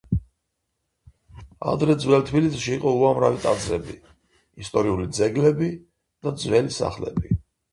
ადრე ძველ თბილისში იყო უამრავი ტაძრები, ისტორიული ძეგლები და ძველი სახლები